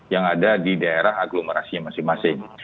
yang ada di daerah aglomerasinya masing masing